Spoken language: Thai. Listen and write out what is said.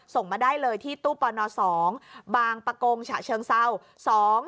ส่งมาได้เลยที่ตู้ปน๒บางประกงฉะเชิงเศร้า